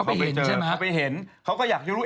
เข้าไปเห็นเขาก็อยากจะรู้